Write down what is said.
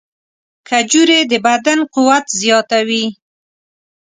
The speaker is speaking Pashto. کجورې د بدن قوت زیاتوي.